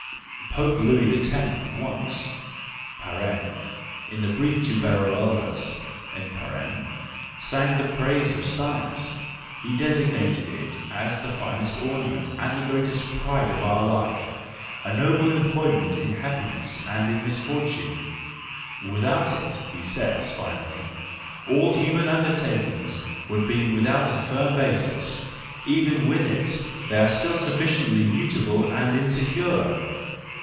Pope Leo X. once (in the brief to Beroaldus) sang the praise of science; he designated it as the finest ornament and the greatest pride of our life, a noble employ¬ ment in happiness and in misfortune ;" without it," he says finally, " all human undertakings would be without a firm basis,—even with it they are still sufficiently mutable and insecure